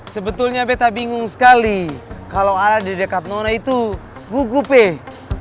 sebetulnya beta bingung sekali kalo alat di dekat nona itu gugup eh